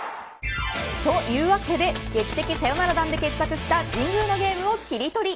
というわけで劇的サヨナラ弾で決着した神宮のゲームをキリトリ。